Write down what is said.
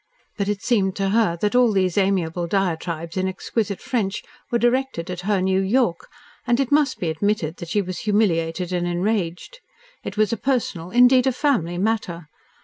But it seemed to her that all these amiable diatribes in exquisite French were directed at her New York, and it must be admitted that she was humiliated and enraged. It was a personal, indeed, a family matter.